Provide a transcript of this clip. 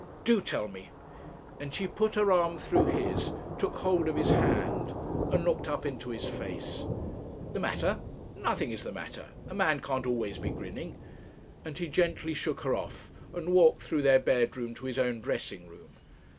Do tell me,' and she put her arm through his, took hold of his hand, and looked up into his face. 'The matter! Nothing is the matter a man can't always be grinning;' and he gently shook her off, and walked through their bedroom to his own dressing room.